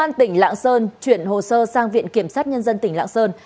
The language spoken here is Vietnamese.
công an tỉnh lạng sơn chuyển hồ sơ sang viện kiểm sát nhân dân tỉnh lạng sơn